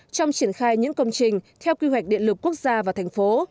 trong triển khai những công trình theo quy hoạch điện lực quốc gia và thành phố